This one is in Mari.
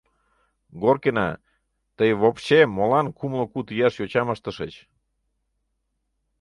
Горкина, тый вопще молан кумло куд ияш йочам ыштышыч?